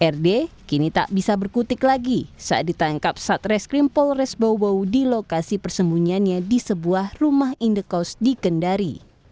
rd kini tak bisa berkutik lagi saat ditangkap satreskrim polres bau bau di lokasi persembunyiannya di sebuah rumah indekos di kendari